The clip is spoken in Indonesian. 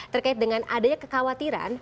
terkait dengan adanya kekhawatiran